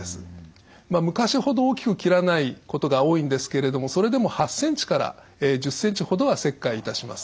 昔ほど大きく切らないことが多いんですけれどもそれでも８ｃｍから１０ｃｍほどは切開いたします。